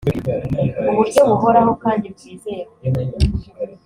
uburyo buhoraho kandi bwizewe